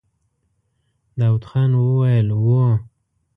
داوود خان وويل: هو!